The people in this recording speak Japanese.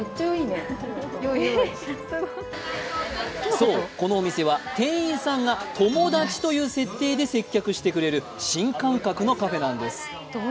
そう、このお店は店員さんが友達という設定で接客してくれる新感覚のカフェなんです。